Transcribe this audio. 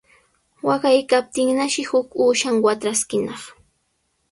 Waqaykaptinnashi huk uushan watraskinaq.